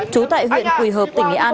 trú tại huyện quỳ hợp tỉnh nghệ an